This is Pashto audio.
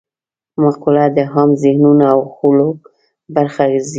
مقوله د عام ذهنونو او خولو برخه ګرځي